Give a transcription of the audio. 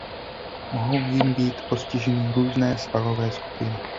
Mohou jím být postiženy různé svalové skupiny.